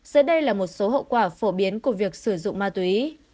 giờ đây là một số hậu quả phổ biến của việc sử dụng ma túy